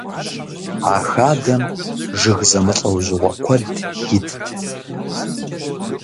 А хадэм жыг зэмылӏэужьыгъуэ куэд итт.